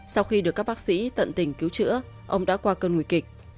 sau khi được các bác sĩ tận tình cứu chữa ông đã qua cơn nguy kịch